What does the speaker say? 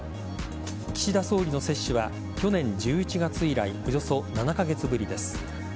岸田総理の接種は去年１１月以来およそ７カ月ぶりです。